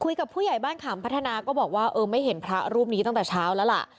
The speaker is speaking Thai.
ผู้ใหญ่บ้านขามพัฒนาก็บอกว่าเออไม่เห็นพระรูปนี้ตั้งแต่เช้าแล้วล่ะ